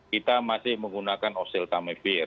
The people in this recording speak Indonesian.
kita masih menggunakan oseltamevir